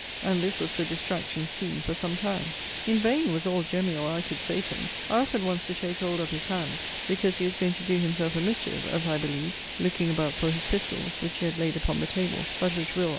And this was the distraction scene for some time. In vain was all Jemmy or I could say to him. I offered once to take hold of his hands, because he was going to do himself a mischief, as I believed, looking about for his pistols, which he had laid upon the table, but which Will.